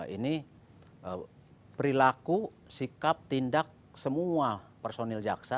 ini perilaku sikap tindak semua personil jaksa